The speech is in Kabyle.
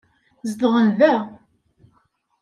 Zedɣen da.